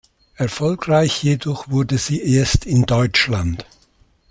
Erfolgreich jedoch wurde sie erst in Deutschland.